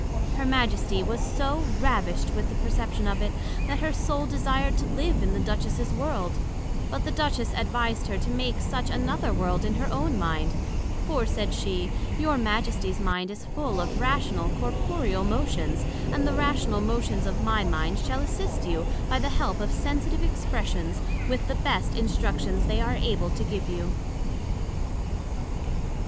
Her Majesty was so ravished with the perception of it, that her Soul desired to live in the Duchess's World: But the Duchess advised her to make such another World in her own mind; for, said she, your Majesty's mind is full of rational corporeal motions; and the rational motions of my mind shall assist you by the help of sensitive expressions, with the best Instructions they are able to give you.